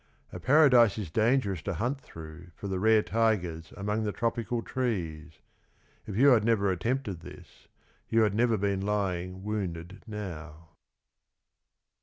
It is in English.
A Paradise is dangerous to hunt through for the rare tigers among the tropical trees ; if you had never attempted this, you had never been lying wounded now.